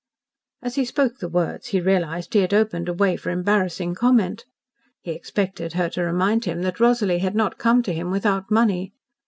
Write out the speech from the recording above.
As he spoke the words he realised that he had opened a way for embarrassing comment. He expected her to remind him that Rosalie had not come to him without money.